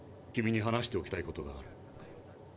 君に話しておきたいことがある。